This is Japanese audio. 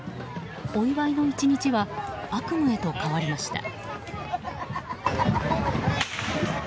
お祝いの１日は悪夢へと変わりました。